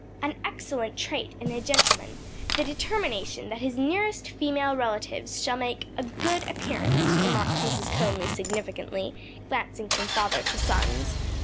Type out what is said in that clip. "An excellent trait in a gentleman the determination that his nearest female relatives shall make a good appearance," remarked Mrs. Conly, significantly, glancing from father to sons.